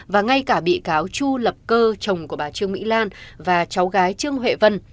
và ngay cả bị cáo chu lập cơ chồng của bà trương mỹ lan và cháu gái trương huệ vân